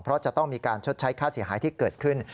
เพราะจะต้องมีการชดใช้ค่าเสียหายที่เกิดขึ้น